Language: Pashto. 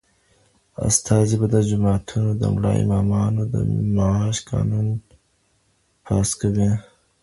استازي به د جوماتونو د ملا امامانو د معاش قانون پاس کوي.